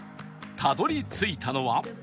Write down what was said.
たどり着いたのは